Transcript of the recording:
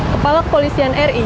kepala kepolisian ri